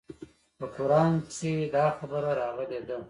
په قران کښې دا خبره راغلې ده.